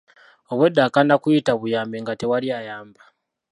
Obwedda akanda kuyita buyambi nga tewali ayamba.